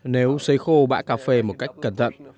nếu xây khô bã cà phê một cách cần thiết